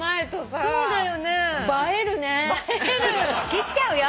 切っちゃうよ。